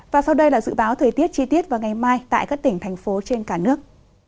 và sau đây là dự báo thời tiết chi tiết vào ngày mai tại các tỉnh thành phố trên cả nước